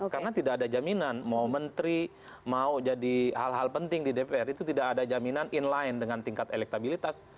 karena tidak ada jaminan mau menteri mau jadi hal hal penting di dpr itu tidak ada jaminan inline dengan tingkat elektabilitas